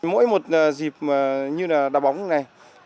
mỗi một dịp như là đào bóng này